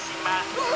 うわ！